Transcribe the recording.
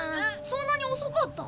そんなに遅かった？